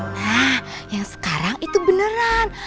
nah yang sekarang itu beneran